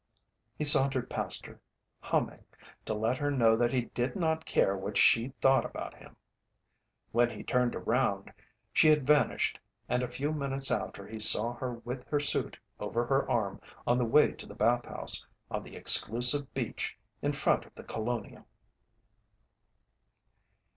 He sauntered past her, humming, to let her know that he did not care what she thought about him. When he turned around she had vanished and a few minutes after he saw her with her suit over her arm on the way to the bath house on the exclusive beach in front of The Colonial.